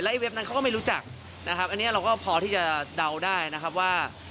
เว็บนั้นเขาก็ไม่รู้จักนะครับอันนี้เราก็พอที่จะเดาได้นะครับว่า